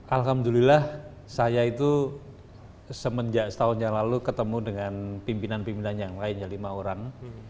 alhamdulillah saya itu semenjak setahun yang lalu ketemu dengan pimpinan pimpinan yang lainnya lima orang